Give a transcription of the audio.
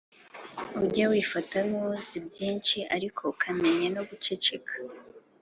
Ujye wifata nk’uzi byinshi, ariko akamenya no guceceka.